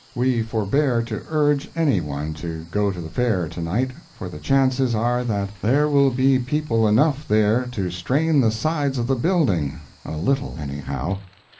We forbear to urge anyone to go to the Fair, to night, for the chances are that there will be people enough there to strain the sides of the building a little, anyhow.